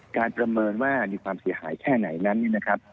๒การประเมินมีความเสียหายแค่ไหนนั้น